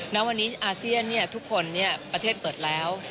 ณวันนี้อาเซียนทุกคนประเทศเปิดแล้ว